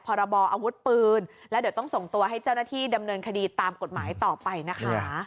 พรบออาวุธปืนแล้วเดี๋ยวต้องส่งตัวให้เจ้าหน้าที่ดำเนินคดีตามกฎหมายต่อไปนะคะ